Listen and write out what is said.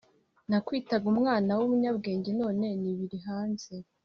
Nakwitaga umwana wumunyabwenge none ni biri hanze